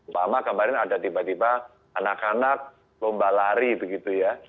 bama kemarin ada tiba tiba anak anak lomba lari begitu ya